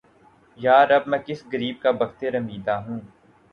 یارب! میں کس غریب کا بختِ رمیدہ ہوں!